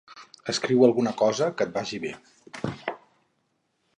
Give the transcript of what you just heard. Escriu alguna cosa que et vagi bé.